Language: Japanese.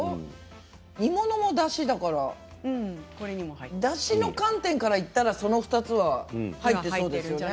煮物もだしだからだしの観点から言ったらその２つは入っていそうですね。